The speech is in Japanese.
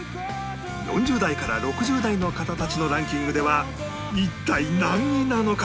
４０代から６０代の方たちのランキングでは一体何位なのか？